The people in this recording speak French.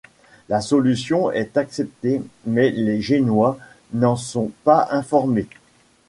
La solution est acceptée mais les Génois n'en sont pas informés.